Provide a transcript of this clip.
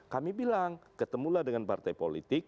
kami bilang ketemulah dengan partai politik